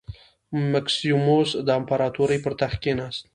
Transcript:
مکسیموس د امپراتورۍ پر تخت کېناست.